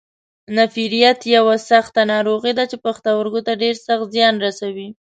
نفریت یوه سخته ناروغي ده چې پښتورګو ته ډېر سخت زیان رسوي.